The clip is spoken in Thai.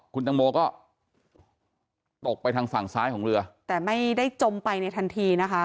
คุณตังโมก็ตกไปทางฝั่งซ้ายของเรือแต่ไม่ได้จมไปในทันทีนะคะ